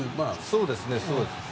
そうですね。